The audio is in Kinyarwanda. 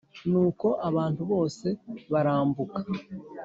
Nuko abantu bose barambuka